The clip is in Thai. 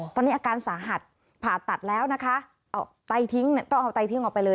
ตอนนี้อาการสาหัสผ่าตัดแล้วนะคะเอาไตทิ้งต้องเอาไตทิ้งออกไปเลย